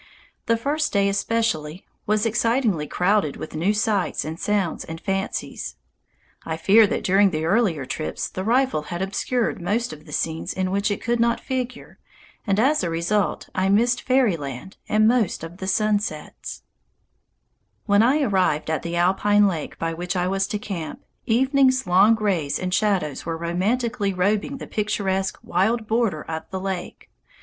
The first day, especially, was excitingly crowded with new sights and sounds and fancies. I fear that during the earlier trips the rifle had obscured most of the scenes in which it could not figure, and as a result I missed fairyland and most of the sunsets. [Illustration: LAKE ODESSA] When I arrived at the alpine lake by which I was to camp, evening's long rays and shadows were romantically robing the picturesque wild border of the lake.